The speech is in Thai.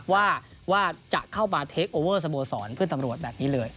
ว่าจะเข้ามาเทคโอเวอร์สโมสรเพื่อนตำรวจแบบนี้เลย